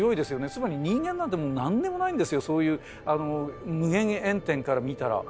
つまり人間なんてもう何でもないんですよそういう無限遠点から見たら。